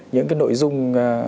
những cái nội dung